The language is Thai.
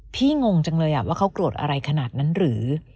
งงจังเลยว่าเขาโกรธอะไรขนาดนั้นหรือ